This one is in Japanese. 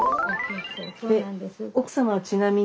で奥様はちなみに。